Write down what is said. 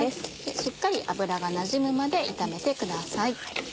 しっかり油がなじむまで炒めてください。